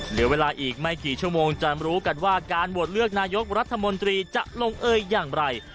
เหลือเวลาอีกไม่กี่ชั่วโมงจะรู้กันว่าการโหวตเลือกนายกรัฐมนตรีจะลงเอยอย่างไร